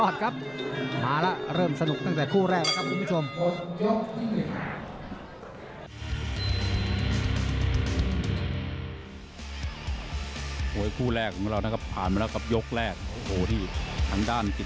ดูเกณฑ์มาถึงตรงนี้